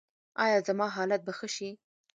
ایا زما حالت به ښه شي؟